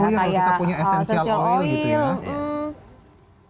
oh iya kalau kita punya esensial oil gitu ya